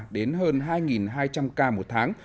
đến hơn hai hai trăm linh ca một tháng